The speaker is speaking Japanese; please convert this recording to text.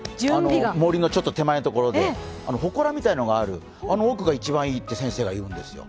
森のちょっと手前のところにある、ほこらみたいなのがあるあの奥が一番いいと先生が言うんですよ。